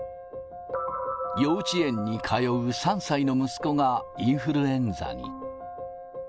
幼稚園に通う３歳の息子がインフルエンザに。